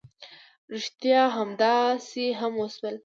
ريښتيا همداسې هم وشول.